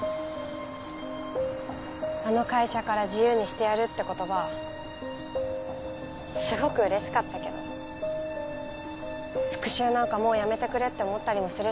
あの会社から自由にしてやるって言葉すごく嬉しかったけど復讐なんかもうやめてくれって思ったりもするし。